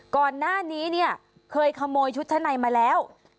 ก่อนหน้านี้เนี่ยเคยขโมยชุดชั้นในมาแล้ว